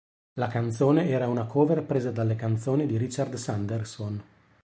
La canzone era una cover presa dalle canzoni di Richard Sanderson.